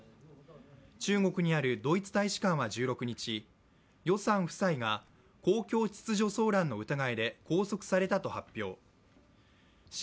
中国にあるドイツ大使館は１６日、余さん夫妻が公共秩序騒乱の疑いで拘束されたと発表。